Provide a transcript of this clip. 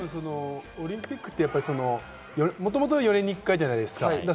オリンピックって、４年に１回じゃないですか。